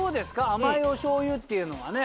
甘いおしょうゆっていうのはね。